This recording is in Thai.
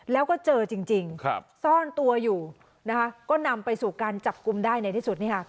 แล้วก็เจอจริงซ่อนตัวอยู่นะคะก็นำไปสู่การจับกลุ่มได้ในที่สุดนี่ค่ะ